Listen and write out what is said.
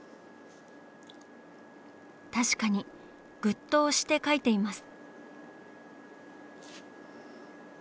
確かにグッと押して描いています。